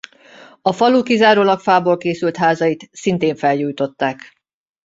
A falu kizárólag fából készült házait szintén felgyújtották.